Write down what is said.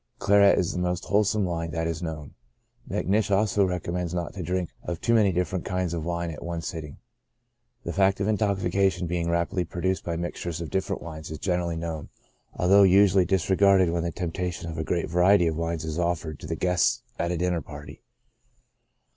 Claret is the most whole some wine that is known." Macnish also recommends not to drink of too many different kinds of wine at one sitting. The fact of intoxication being rapidly produced by mixtures of different wines is generally known, although usually disregarded when the temptation of a great variety of wines is offered to the guests at a dinner party.